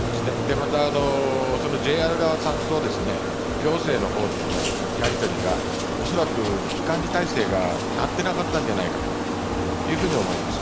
また、ＪＲ側さんと行政の方とのやりとりがおそらく危機管理体制がなってなかったんじゃないかなというふうに思いました。